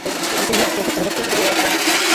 আমাকে রুমে আটকে রেখে ছেলেদেরকে চুদে বেড়াচ্ছে।